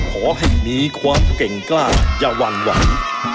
ขอให้มีความเก่งกล้าอย่าหวั่นไหว